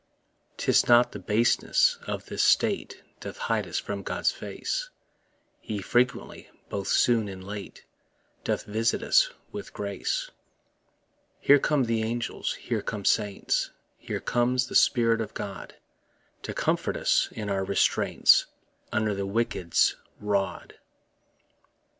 'Tis not the baseness of this state Doth hide us from God's face; He frequently, both soon and late, Doth visit us with grace. Here come the angels, here come saints, Here comes the Spirit of God, To comfort us in our restraints Under the wicked's rod.